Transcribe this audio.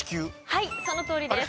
はいそのとおりです。